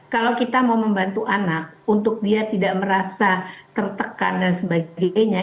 kalau kita mau membantu anak untuk dia tidak merasa tertekan dan sebagainya